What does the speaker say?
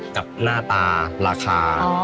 กับหน้าตาราคา